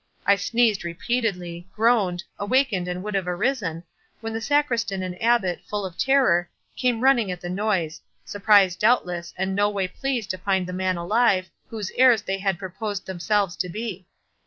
I sneezed repeatedly—groaned—awakened and would have arisen, when the Sacristan and Abbot, full of terror, came running at the noise, surprised, doubtless, and no way pleased to find the man alive, whose heirs they had proposed themselves to be.